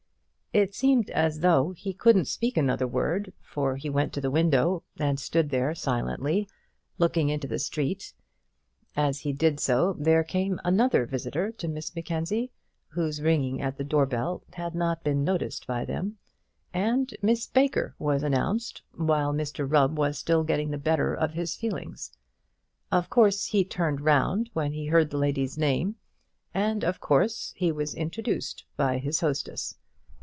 It seemed as though he couldn't speak another word, for he went to the window and stood there silently, looking into the street. As he did so, there came another visitor to Miss Mackenzie, whose ringing at the doorbell had not been noticed by them, and Miss Baker was announced while Mr Rubb was still getting the better of his feelings. Of course he turned round when he heard the lady's name, and of course he was introduced by his hostess.